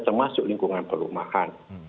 termasuk lingkungan perumahan